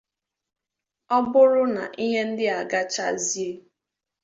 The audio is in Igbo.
Ọ bụrụ na ihe ndị a gachazie